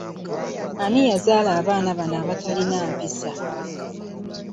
Ani yazaala abaana bano abatalina mpisa?